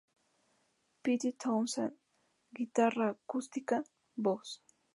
Pete Townshend: guitarra acústica, voz.